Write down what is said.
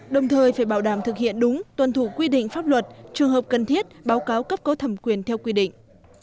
đồng thời phải bảo đảm thực hiện đúng tuân thủ quy định pháp luật trường hợp cần thiết báo cáo cấp có thẩm quyền theo quy định